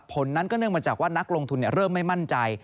ผลนั้นก็เนื่องมาจากว่านักลงทุนเริ่มไม่มั่นใจ